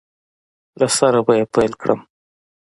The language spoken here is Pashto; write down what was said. له سره به یې پیل کړم